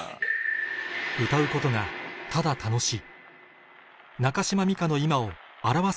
歌うことがただ楽しい